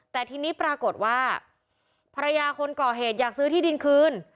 แต่ทีนี้ปรากฏว่าภรรยาคนก่อเหตุอยากซื้อที่ดินคืน